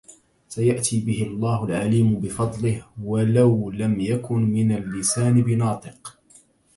سيأتي بـه الله العظـيم بفضلـه... ولو، لم يكن من اللسـان بناطق